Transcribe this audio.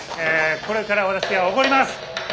これから私がおごります！